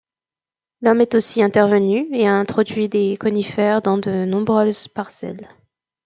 L’homme est aussi intervenu et a introduit des conifères dans de nombreuses parcelles.